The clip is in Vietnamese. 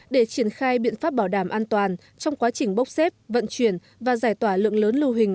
để triển khai biện pháp bảo đảm an toàn trong quá trình bốc xếp vận chuyển và giải tỏa lượng lớn lưu hình